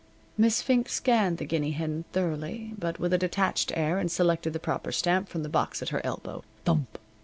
Miss Fink scanned the guinea hen thoroughly, but with a detached air, and selected the proper stamp from the box at her elbow. Thump!